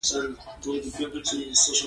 دوکاندار د خپل کاروبار عزت ساتي.